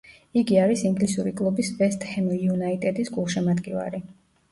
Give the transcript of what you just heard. იგი არის ინგლისური კლუბის „ვესტ ჰემ იუნაიტედის“ გულშემატკივარი.